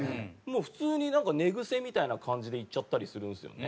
普通になんか寝グセみたいな感じでいっちゃったりするんですよね。